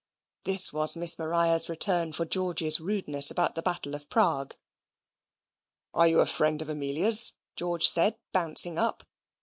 This was Miss Maria's return for George's rudeness about the Battle of Prague. "Are you a friend of Amelia's?" George said, bouncing up.